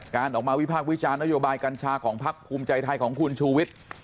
การออกมาวิพากษ์วิจารณ์นโยบายกัญชาของพักภูมิใจไทยของคุณชูวิทย์